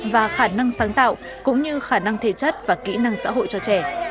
và khả năng sáng tạo cũng như khả năng thể chất và kỹ năng xã hội cho trẻ